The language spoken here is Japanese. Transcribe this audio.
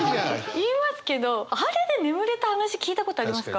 言いますけどあれで眠れた話聞いたことありますか？